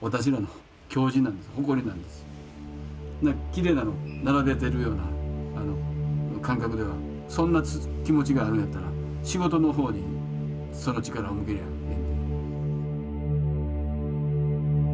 きれいなの並べてるような感覚ではそんな気持ちがあるんやったら仕事の方にその力を向ければいいんで。